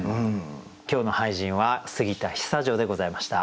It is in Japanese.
今日の俳人は杉田久女でございました。